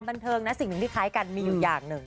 บันเทิงนะสิ่งหนึ่งที่คล้ายกันมีอยู่อย่างหนึ่ง